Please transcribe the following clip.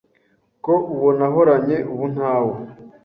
Ko uwo nahoranye .Ubu ntawo